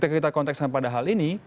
ketika kita kontekskan pada hal ini